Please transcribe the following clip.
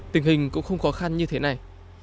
tình hình cũng không khó khăn như thế này